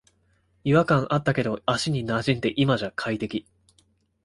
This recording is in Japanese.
違和感あったけど足になじんで今じゃ快適